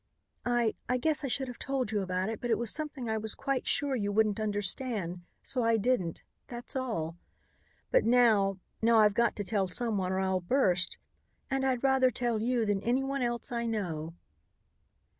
"I I guess I should have told you about it, but it was something I was quite sure you wouldn't understand, so I didn't, that's all. But now now I've got to tell someone or I'll burst, and I'd rather tell you than anyone else I know."